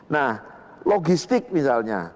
nah logistik misalnya